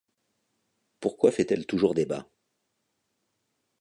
Pourquoi fait-elle toujours débat?